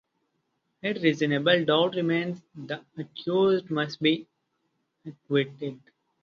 If reasonable doubt remains, the accused must be acquitted.